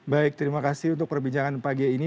baik terima kasih untuk perbincangan pagi ini